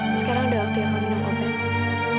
tidak ada yang nangis sama lela